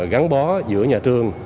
gắn bó giữa nhà trường